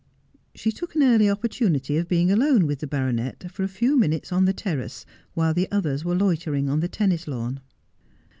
She took an early opportunity of being alone with the baronet for a few minutes on the terrace while the others were loitering on the tennis lawn.